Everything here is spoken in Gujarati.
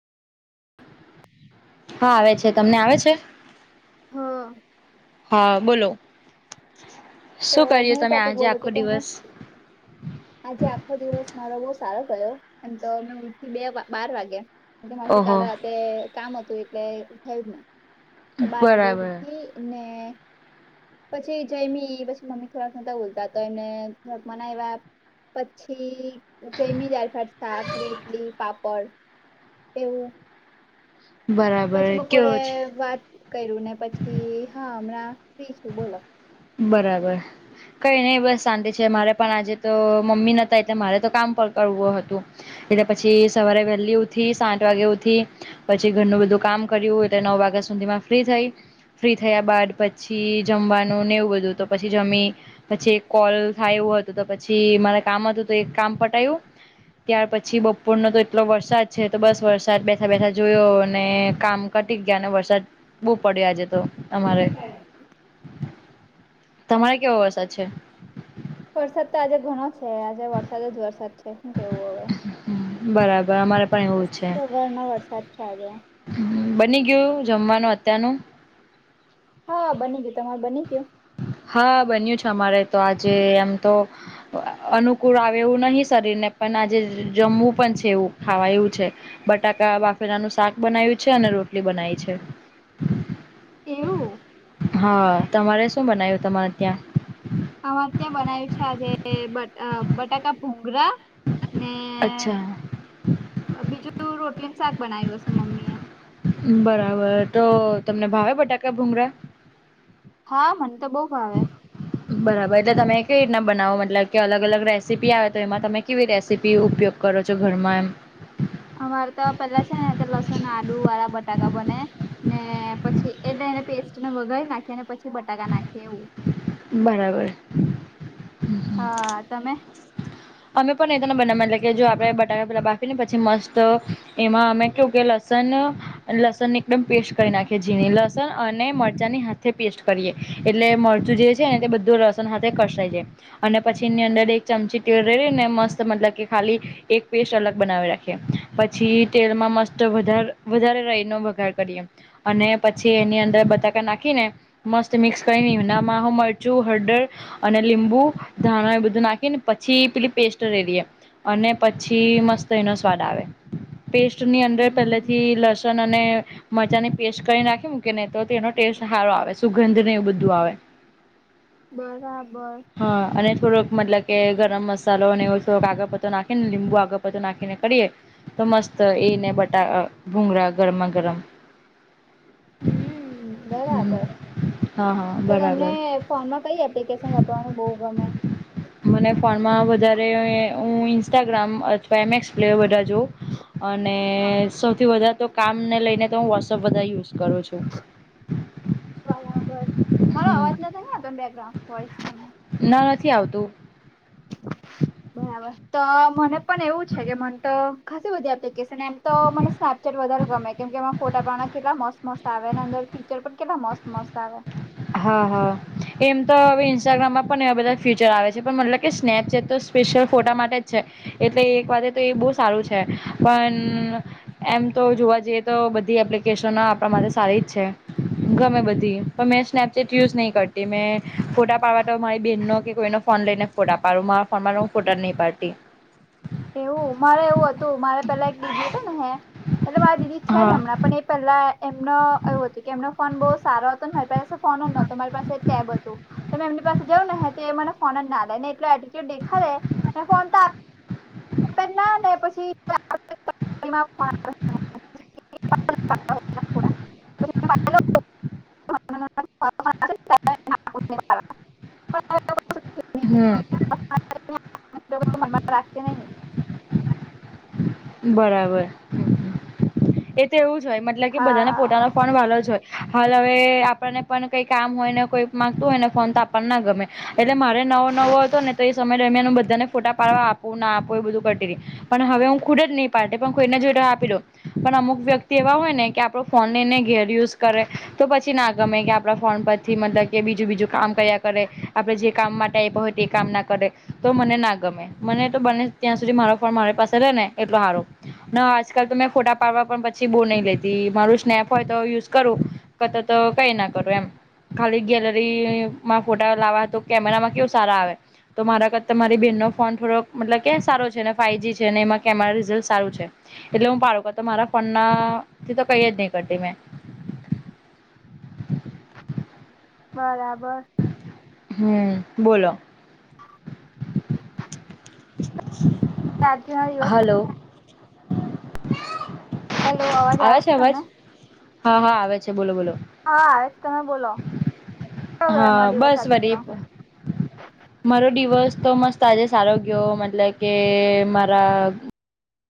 હા, આવે છે. તમને આવે છે? હ. હા, બોલો. તો શું કળીએ મેં તમે ટોપિક આજે બોલું આખો કે તમે દિવસ? આજે આખો દિવસ મારો બવ સારો ગયો. એમ તો મે ઉયઠી બે બાર વાગે. એલે મારથી ઓહો કાલે રાતે કામ હતું એટલે થયું જ ના. બાર વાગે બરાબર ઉયઠી ને પછી જયમી પછી મમ્મી થોડાક નોતા બોલતા, તો એમને થોક મનાયવા. પછી જયમી ડાર-ભાત, સાક, રોટલી, પાપડ એવું. બરાબર પછી કેવો બપોરે છે વાત કયરુ ને પછી હા, અમણાં ફ્રી છું બોલો. બરાબર. કઈ નઈ બસ શાંતિ છે, મારે પણ આજે તો મમ્મી નોતા એટલે મારે તો કામ પકડવુ હતુ. એટલે પછી સવારે વેલી ઉથી સાત વાગે ઉથી. પછી ઘરનું બધું કામ કર્યું, એટે નવ વાગે સુધી માં ફ્રી થઈ. ફ્રી થયા બાદ પછી જમવાનું નેવું બધું તો પછી જમી પછી કોલ થાય એવું હતું, તો પછી તે માલે કામ હતું તો, એક કામ પટાયવુ. ત્યાર પછી બપોરનો તો એટલો વરસાદ છે, ત બસ વરસાદ બે બેઠા-બેઠા જોયો ને, કામ કટી ગીયા ને વરસાદ બો પડ્યો આજે તો અમારે. તમાયે કેવો વયસાદ છે? વરસાદ તો આજે ઘણો છે. આજે વરસાદ જ વરસાદ છે. હું કેવું હવે. બરાબર. અમારે પણ એવું જ છે. સવારનો વરસાદ છે આજે બની ગીયું, જમવાનું અત્યારનું. હ બની ગીયું. તમાર બની ગીયું? હા. બન્યું છે અમારે તો, આજે એમ તો અઆ અ અનુકૂળ આવે એવું નહી શરીરને પન આજે જજજમવું પન છે એવું, ખાવાય એવું છે. બટાકા બાફેલાનું સાક બનાયવુ છે અને રોટલી બનાઇ છે. એવું! હા. તમારે શું બનાયવુ તમાય ત્યાં? અમાર ત્યાં બનાયવુ છે આજે, બટ અ બ બટાકા-ભુંંગરા. ને... અચ્છા બીજુ તો, રોટલી ને સાક બનાયવુ સે મમ્મી એ. બરાબર. ટો તમને ભાવે બટાકા-ભૂંગરા? હા, મન ત બો ભાવે. બરાબર. એટલે તમે કેયી તના બનાવો? મતલબ કે અલગ-અલગ રેસીપી આવે તો, એમા તમે કેવી રેસીપી ઉપયોગ કરો છો ઘરમાં એમ? અમાર ત પેલા છે ને, લસણ ને આડુ વાળા બટાકા બને. ને પછી એટે, એને પેસ્ટને વઘાઈ નાખીએ ને પછી બટાકા નાખીએ એવું. બરાબર. હા. તમે? અમે પણ એતોના બનાવમાં નાખીએ એટલે કે, જો આપણે બટાકા પેલા બાફી ને પછી મસ્ત એમાં અમે કવુ કે, લસણ લસણ ની એકદમ પેસ્ટ કરી નાખીએ ઝીણી. લસણ અને મરચાંની હાથે પેસ્ટ કરીએ. એટલે મરચું જે છે ને, તે બધું લસણ હાથે કસાઈ જાય અને પછીની અંદર એક ચમચી તેલ રેડીને મસ્ત મતલબ કે, ખાલી એક પેસ્ટ અલગ બનાવી રાખીએ. પછી તેલમાં મસ્ત વધાર વધારે રાયનો વઘાર કરીયે અને પછી એની અંદર બટાકા નાખી ને મસ્ત મિક્સ કરીને, આમા હું મરચું, હળદર અને લીંબુ ધાણા એ બધું નાખીને પછી પેલી પેસ્ટ રેડીએ અને પછી મસ્ત એનો સ્વાદ આવે. પેસ્ટની અંદર પહેલેથી હમ લસણ અને મરચાની પેસ્ટ કરીને રાખી મૂકેને, તો તેનો ટેસ્ટ હારો આવે. સુગંધ ને એ બધું આવે. [unintelligible] બરાબર. હા અને થોડોક મતલબ કે ગરમ મસાલો અને એવ થોક કાગળ નાખી ને લીંબુ આગળપત્તો નાખીને કરીએ તો મસ્ત એ ને બટા અહ ભૂંગરા ગરમમાં ગરમ હમ્મ બરાબર. હા હા તો તમને બરાબર ફોનમાં કઈ એપ્લિકેશન વાપરવાનું બહુ ગમે? મને ફોનમાં વધારે હું એ હું ઇન્સ્ટાગ્રામ અથવા એમ એક્સ પ્લેયર વધારે જોઉ. અને હા સૌથી વધારે તો, કામને લઈને તો, હું વોટ્સઅપ બધારે યુઝ કરું છું. બરાબર. મારો હમ અવાજ નેવો ત ની આવતો ને બેકગ્રાઉન્ડોઈસ વોઇ તમે. ના નથી આવતું. બરાબર. તો મને પણ એવું છે કે, મને તો ખાસી બધી એપ્લિકેશન, એમ તો મને સ્નેપ ચેટ વધારે ગમે. કેમ કે, એમાં ફોટા પાડ કેટલા મસ્ત-મસ્ત આવે અને અંદર ફીચર પણ કેટલા મસ્ત-મસ્ત આવે. હા હા. એમ તો હવે ઇન્સ્ટાગ્રામમાં પણ એવા બધા ફ્યચર આવે છે પણ મતલબ કે સ્નેપચેટ તો સ્પેશિયલ ફોટા માટે છે એટલે એક વાતે તો એ બહુ સારું છે પણ એમ તો જોવા જઈએ તો બધી એપ્લિકેશન ઓ આપડા માટે સારી જ છે. ગમે બધી પણ પર મેં સ્નેપચેટ યુઝ નહીં કરતી મેં ફોટા પાડવા તો મારી બહેનનો કે કોઈનો ફોન લઈને ફોટા પારુંમાં ફમામાંનું ફોટા નહીં પાડતી. એવું મારે એવું હતું મારે પેલા એક દીદી હતી ને હે એટલે મારા દીદી છે જ હા હમણાં પણ એ પેલા એમનું એવું હતું કે એમનું ફોન બહુ સારો હતો મારી પાસે ફોન નોતો મારી પાસે ટેબ હતું. તો મેં એમની પાસે જઉં ને હ તો એ મને ફોન જ ના આલે ને એટલું એટ્રીટ્યુડ દેખાડે મેં ફોન તો આપ આપેજ ના ને પછી [unintelligible] લક પુડા. મને ફોન આવે છે, ત્યારે નાખું નહીં પાડવા. પણ હવે હમ્મ. તો મન મા રાખશે નહી. બરાબર એ તો એવું જ હોય મતલબ કે બધાને હા પોતાનો ફડ વાલો જ હોય. હાલ હવે આપણને પણ કઈ કામ હોય ને કોઈ માંગતું હોય ને ફોન તો આપણને ના ગમે. એટલે મારે નવો નવો હતો ને તો એ સમય દરમિયાન હું બધાને ફોટા પાડવા આપું ના આપું એ બધું કરતી થી. પણ હવે હું ખુદ જ નહી પાડતી પણ કોઈને જોઈ આપી દઉ. પણ અમુક વ્યક્તિ એવા હોય ને કે આપડો ફોન લેઈને ઘેર યુઝ કરે તો પછી ના ગમે કે આપણા ફોન પર થી મતલબ કે બીજું બીજું કામ કરયા કરે આપણે જે કામ માટે આયપો હોય તે કામ ના કરે તો મને ના ગમે મને તો બને ત્યાં સુધી મારો ફોન મારી પાસે રે ને એટલો હારો ના આજકાલ તો મેં ફોટા પાડવા પણ પછી બહુ નહી લેતી મારું સ્નેપ હોય તો યુઝ કરું કાતો તો કઈ ના કરું એમ ખાલી ગેલેરીમાં ફોટા લાવવા તો કેમેરામાં કેવું સારા આવે તો મારા કરતાં મારી બેનનો ફોન થોડોક મતલબ કે સારો છે ને ફાઈવ જી છે ને એમાં કે મારા રિઝલ્ટ સારું છે એટલે હું પાડું પર તમારા ફોનના થી તો કઈ જ નહી કરતી મેં બરાબર હમ્મ બોલો આજના દિવસ હલો હેલો અવાજ આવે છે અવાજ તમને હા હા આવે છે બોલો બોલો હા આવેછે તમે બોલો કેવો ગયો હા અમારો દિવસ બસ વરી આજનો મારો દિવસ તો મસ્ત આજે સારો ગયો મતલબ કે મારા